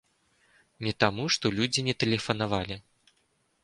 Не таму, што людзі не тэлефанавалі.